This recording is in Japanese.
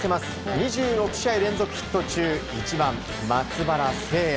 ２６試合連続ヒット中１番、松原聖弥。